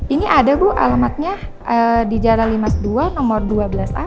ini ada bu alamatnya di jalan lima puluh dua nomor dua belas a